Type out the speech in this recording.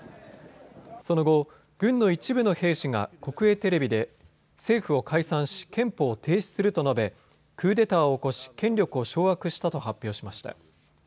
その後、軍の一部の兵士が国営テレビで政府を解散し憲法を停止すると述べ、クーデターを起こし権力を掌握したと発表しました。